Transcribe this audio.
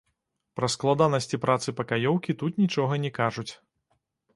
Пра складанасці працы пакаёўкі тут нічога не кажуць.